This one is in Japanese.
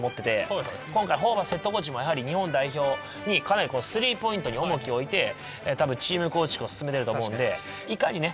今回ホーバスヘッドコーチもやはり日本代表にかなりスリーポイントに重きを置いて多分チーム構築を進めてると思うのでいかにね